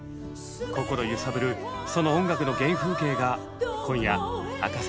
心揺さぶるその音楽の原風景が今夜明かされます。